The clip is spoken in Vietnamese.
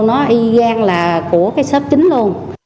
nó y gan là của cái shop chính luôn